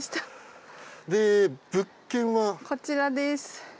こちらです。